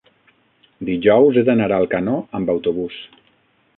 dijous he d'anar a Alcanó amb autobús.